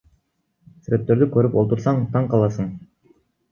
Сүрөттөрдү көрүп олтурсаң таң каласың.